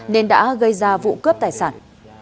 nên đã gây ra vụ cướp tài sản